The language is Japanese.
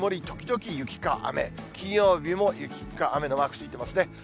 時々雪か雨、金曜日も雪か雨のマークついていますね。